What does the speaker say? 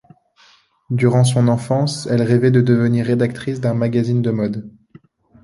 Durant son enfance elle rêvait de devenir rédactrice d'un magazine de mode.